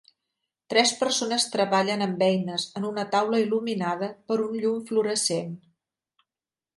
Tres persones treballen amb eines en una taula il·luminada per un llum fluorescent.